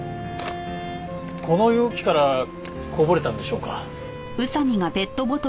この容器からこぼれたんでしょうか。